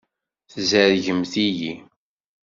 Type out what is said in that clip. Tzerrgemt-iyi.